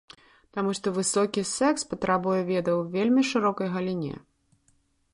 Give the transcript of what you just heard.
Таму што высокі секс патрабуе ведаў у вельмі шырокай галіне.